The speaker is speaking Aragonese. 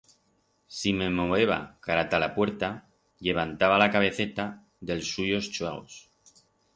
Si me moveba cara ta la puerta, llevantaba la cabeceta d'els suyos chuegos.